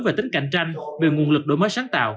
về tính cạnh tranh về nguồn lực đổi mới sáng tạo